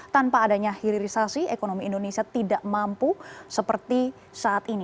tanpa adanya hilirisasi ekonomi indonesia tidak mampu seperti saat ini